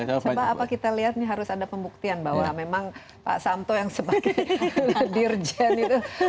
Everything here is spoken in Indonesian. coba apa kita lihat ini harus ada pembuktian bahwa memang pak samto yang sebagai dirjen itu